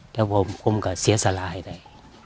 แต่ว่าผมก็เสียสลายได้